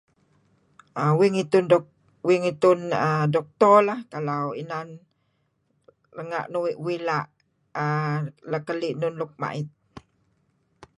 Uih ngitun doktor lah kalau renga' uih la' err keli' enun luk ma'it.